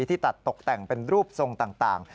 ที่ตัดตกแต่งเป็นรูปทรงต่าง